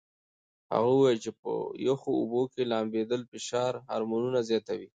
هغه وویل چې په یخو اوبو کې لامبېدل فشار هورمونونه زیاتوي.